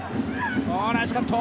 ナイスカット。